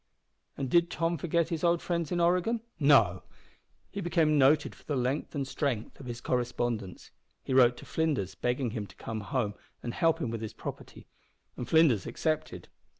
And did Tom forget his old friends in Oregon? No! He became noted for the length and strength of his correspondence. He wrote to Flinders begging him to come home and help him with his property, and Flinders accepted.